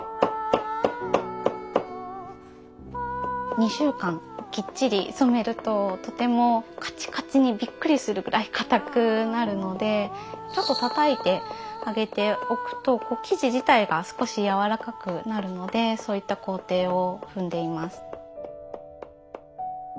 ２週間きっちり染めるととてもカチカチにびっくりするぐらい硬くなるのでちょっとたたいてあげておくと生地自体が少し柔らかくなるのでそういった工程を踏んでいます。